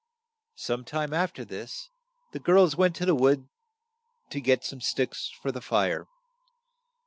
Some time af ter this, the girls went to the wood to get some sticks for the fire.